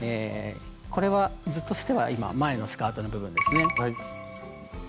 これは図としては今前のスカートの部分ですね。